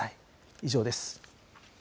以上です。